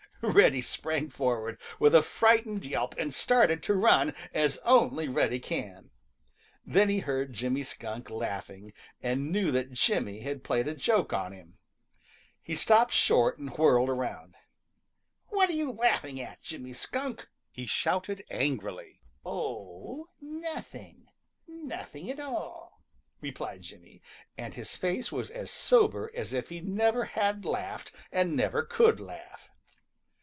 Reddy sprang forward with a frightened yelp and started to run as only Reddy can. Then he heard Jimmy Skunk laughing and knew that Jimmy had played a joke on him. He stopped short and whirled around. "What are you laughing at, Jimmy Skunk?" he shouted angrily. "Oh, nothing, nothing at all," replied Jimmy, and his face was as sober as if he never had laughed and never could laugh.